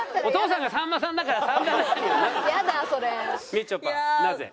お父さんがさんまさんだから３だな。